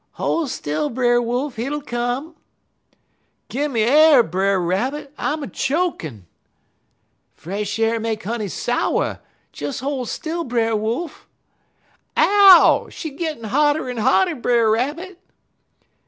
"'Hol' still, Brer Wolf, hit'll come.' "'Gimme a'r, Brer Rabbit; I'm a chokin'.' "'Fresh a'r make honey sour. Des hol' still, Brer Wolf!' "'Ow! she gittin' hotter en hotter, Brer Rabbit!'